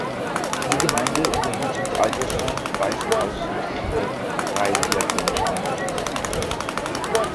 Die Gemeinde unterhielt mit Altersheim, Waisenhaus und Krippe drei diakonische Einrichtungen.